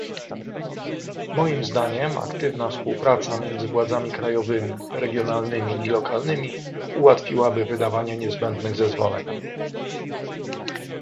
Moim zdaniem aktywna współpraca między władzami krajowymi, regionalnymi i lokalnymi ułatwiłaby wydawanie niezbędnych zezwoleń